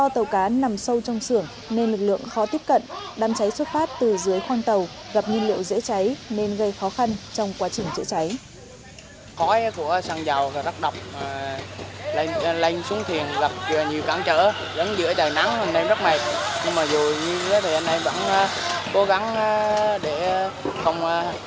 tàu cá qng chín mươi bảy nghìn sáu mươi đang tiến hành hết sức khẳng trương